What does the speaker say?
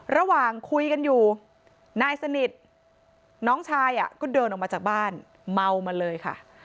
ระหว่างคุยกันอยู่นายสนิทน้องชายก็เดินออกมาจากบ้านเมามาเลยค่ะ